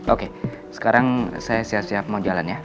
oke sekarang saya siap siap mau jalan ya